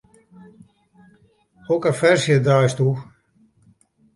Hokker ferzje draaisto?